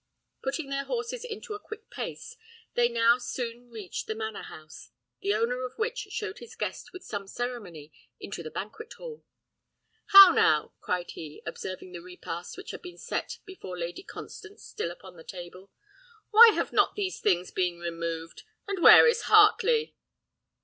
Putting their horses into a quick pace, they now soon reached the manor house, the owner of which showed his guest with some ceremony into the banquet hall. "How now!" cried he, observing the repast which had been set before Lady Constance still upon the table; "why have not these things been removed? And where is Heartley?"